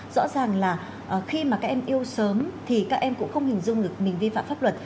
rõ ràng là khi mà các em yêu sớm thì các em cũng không hình dung được mình vi phạm pháp luật